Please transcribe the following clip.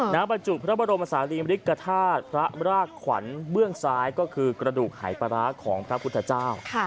บรรจุพระบรมศาลีมริกฐาตุพระรากขวัญเบื้องซ้ายก็คือกระดูกหายปลาร้าของพระพุทธเจ้า